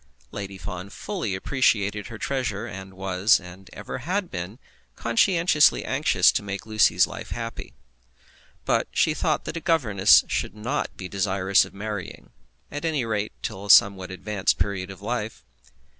Lady Fawn fully appreciated her treasure, and was, and ever had been, conscientiously anxious to make Lucy's life happy. But she thought that a governess should not be desirous of marrying, at any rate till a somewhat advanced period of life.